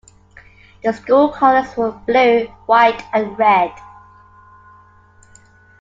The school colors were blue, white and red.